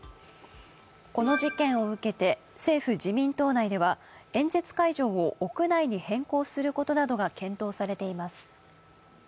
この事件を受けて政府・自民党内では演説会場を屋内に変更することなどが検討されています。